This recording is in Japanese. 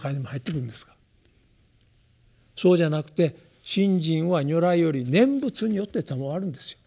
そうじゃなくて信心は如来より念仏によってたまわるんですよ。